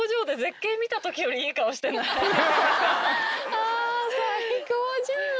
あ最高じゃん。